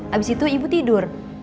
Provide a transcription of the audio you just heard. abis itu ibu tidur